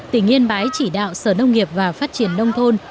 tỉnh yên bái chỉ đạo sở nông nghiệp và phát triển nông thôn